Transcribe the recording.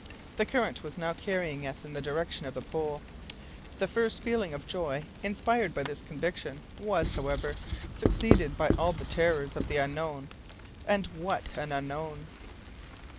The current was now carrying us in the direction of the pole! The first feeling of joy inspired by this conviction was, however, succeeded by all the terrors of the unknown! and what an unknown!